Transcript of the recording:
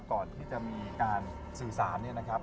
ก่อนที่จะมีการสื่อสารเนี่ยนะครับ